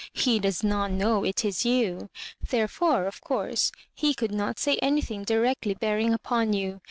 He does not knout it is you; therefore, of course, he could not say any thing directly bearing upon you.